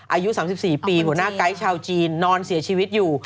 อายุ๓๔ปีหัวหน้าไกด์ชาวจีนนอนเสียชีวิตอยู่